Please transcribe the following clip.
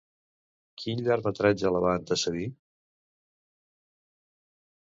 Quin llargmetratge la va antecedir?